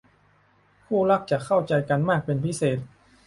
คู่รักจะเข้าใจกันมากเป็นพิเศษ